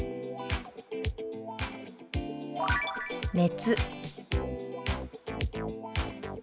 「熱」。